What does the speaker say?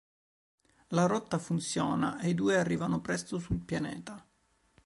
La rotta funziona e i due arrivano presto sul pianeta.